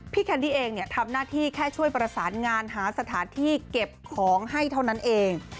แคนดี้เองทำหน้าที่แค่ช่วยประสานงานหาสถานที่เก็บของให้เท่านั้นเอง